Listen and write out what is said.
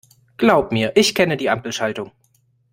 Glaub mir, ich kenne die Ampelschaltung.